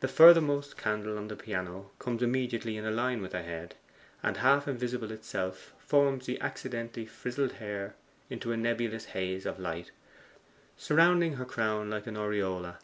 The furthermost candle on the piano comes immediately in a line with her head, and half invisible itself, forms the accidentally frizzled hair into a nebulous haze of light, surrounding her crown like an aureola.